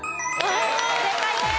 正解です。